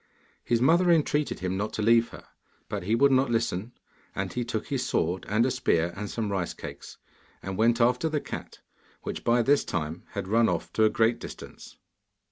His mother entreated him not to leave her, but he would not listen, and he took his sword and a spear and some rice cakes, and went after the cat, which by this time had run of to a great distance.